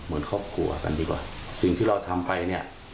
เหมือนครอบครัวกันดีกว่าสิ่งที่เราทำไปเนี่ย